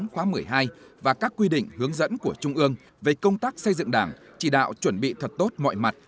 khóa một mươi hai và các quy định hướng dẫn của trung ương về công tác xây dựng đảng chỉ đạo chuẩn bị thật tốt mọi mặt